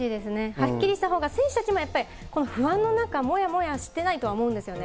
はっきりしたほうが、選手たちもやっぱり不安の中、もやもやしてないとは思うんですよね。